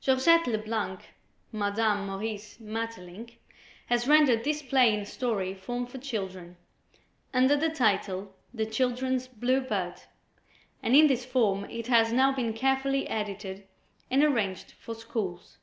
Georgette Leblanc (Madame Maurice Maeterlinck), has rendered this play in story form for children, under the title "The Children's Blue Bird," and in this form it has now been carefully edited and arranged for schools.